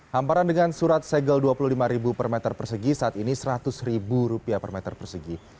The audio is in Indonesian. hamparan dengan surat segel dua puluh lima ribu per meter persegi saat ini seratus ribu rupiah per meter persegi